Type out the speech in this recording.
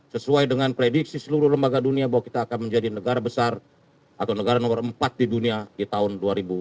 sesuai dengan prediksi seluruh lembaga dunia bahwa kita akan menjadi negara besar atau negara nomor empat di dunia di tahun dua ribu dua puluh